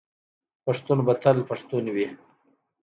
پښتون به تل پښتون وي.